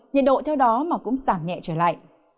nhiệt độ theo đó mà cũng giảm nhẹ trở lại